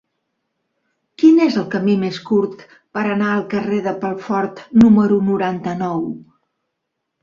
Quin és el camí més curt per anar al carrer de Pelfort número noranta-nou?